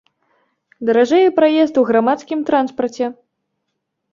Даражэе праезд у грамадскім транспарце.